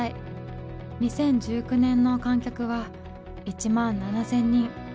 ２０１９年の観客は１万７，０００人。